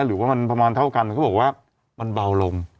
หรือว่ามันประมาณเท่ากันเขาบอกว่ามันเบาลง